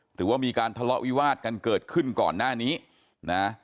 หรือว่ามีการทะเลาะวิวาดกันเกิดขึ้นก่อนหน้านี้นะ